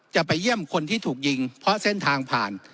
จะไปเยี่ยมคนที่ถูกยิงเพราะเส้นทางผ่าน